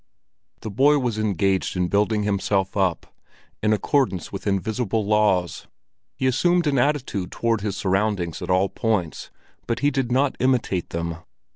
The boy was engaged in building himself up, in accordance with invisible laws. He assumed an attitude toward his surroundings at all points, but he did not imitate them.